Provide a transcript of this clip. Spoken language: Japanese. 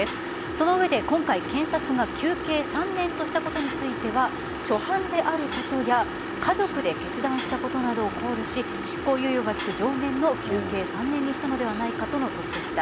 その上で今回、検察が求刑３年としたことについては初犯であることや家族で決断したことなどを考慮し執行猶予が付く、上限の求刑３年にしたのではないかとのことでした。